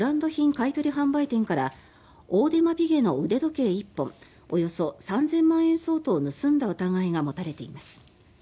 買い取り販売店からオーデマ・ピゲの腕時計１本およそ３０００万円相当を盗んだ疑いが持たれています。